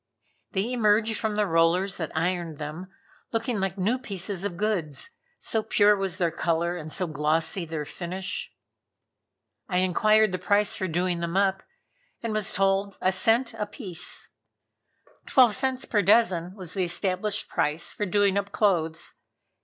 They emerged from the rollers that ironed them looking like new pieces of goods, so pure was their color, and so glossy their finish. I inquired the price for doing them up, and was told a cent a piece. Twelve cents per dozen was the established price for doing up clothes.